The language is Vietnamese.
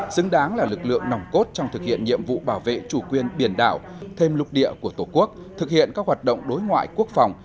xứng đáng là lực lượng nòng cốt trong thực hiện nhiệm vụ bảo vệ chủ quyền biển đảo thêm lục địa của tổ quốc thực hiện các hoạt động đối ngoại quốc phòng